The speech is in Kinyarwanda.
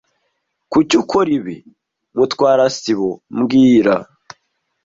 Kuki ukora ibi, Mutwara sibo mbwira